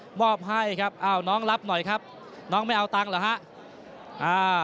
มอบให้ครับอ้าวน้องรับหน่อยครับน้องไม่เอาตังค์เหรอฮะอ่า